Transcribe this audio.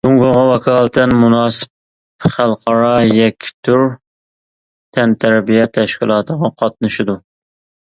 جۇڭگوغا ۋاكالىتەن مۇناسىپ خەلقئارا يەككە تۈر تەنتەربىيە تەشكىلاتىغا قاتنىشىدۇ.